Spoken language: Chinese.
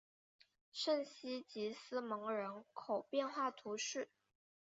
圣西吉斯蒙人口变化图示